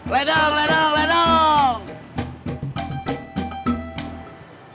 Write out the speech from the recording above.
ledang ledang ledang